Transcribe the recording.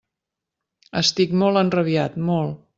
Estic molt enrabiat, molt!